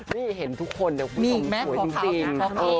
นี่เห็นทุกคนแต่คุณสองสวยจริง